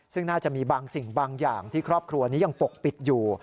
ซึ่งน่าจะมีบางสิ่งบางอย่างที่ครอบครัวนี้ยังปกปิดอยู่